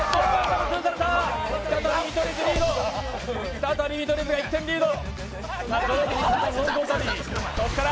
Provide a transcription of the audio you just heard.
再び見取り図が１点リード。